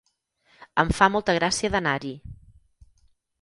Em fa molta gràcia d'anar-hi.